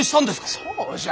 そうじゃ。